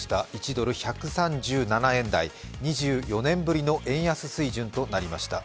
１ドル＝１３７円台、２４年ぶりの円安水準となりました。